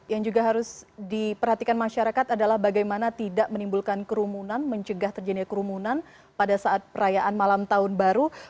yang juga harus diperhatikan masyarakat adalah bagaimana tidak menimbulkan kerumunan mencegah terjadinya kerumunan pada saat perayaan malam tahun baru